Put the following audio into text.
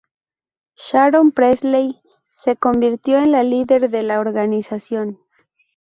Sharon Presley se convirtió en la líder de la organización.